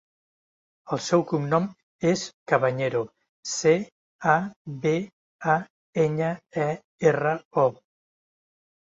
El seu cognom és Cabañero: ce, a, be, a, enya, e, erra, o.